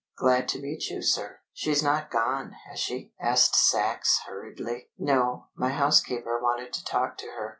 "Glad to meet you, sir." "She's not gone, has she?" asked Sachs hurriedly. "No, my housekeeper wanted to talk to her.